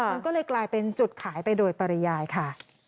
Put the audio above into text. มันก็เลยกลายเป็นจุดขายไปโดยปริยายค่ะ